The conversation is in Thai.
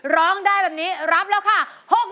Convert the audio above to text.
ร้องได้แบบนี้รับแล้วค่ะ